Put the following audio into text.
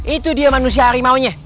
itu dia manusia harimau nya